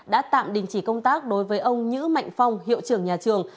đã tạm đình chỉ công tác đối với ông nhữ mạnh phong hiệu trưởng nhà trường